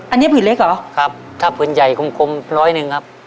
อันนี้ผืนเล็กเหรอครับถ้าผืนใหญ่กลมกลมร้อยหนึ่งครับ